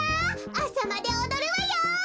あさまでおどるわよ！